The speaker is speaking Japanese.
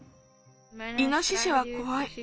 イノシシはこわい。